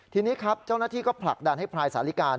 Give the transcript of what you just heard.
ทีนี้ครับเจ้าหน้าที่ก็ผลักดันให้พลายสาลิกา